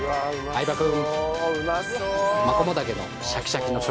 相葉君。